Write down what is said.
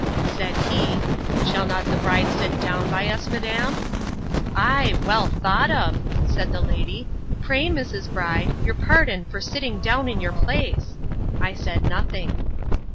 Said he, Shall not the bride sit down by us, madam? Ay, well thought of! said my lady: Pray, Mrs. Bride, your pardon for sitting down in your place!—I said nothing.